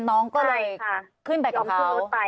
น้องก็เลยขึ้นไปกับเขา